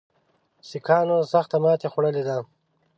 سیکهانو سخته ماته خوړلې ده.